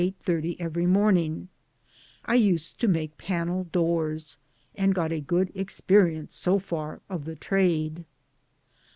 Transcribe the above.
30 every rnbrning ; I used to make panel doors, and got a good experience, so far, of the trade.